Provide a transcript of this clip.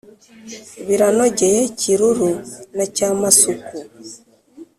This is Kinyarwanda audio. biranogeye kiruri na cyama-suku